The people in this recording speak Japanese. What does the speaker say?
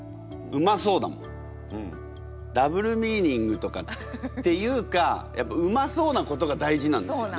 ダブルミーニングとかっていうかやっぱうまそうなことが大事なんですよね。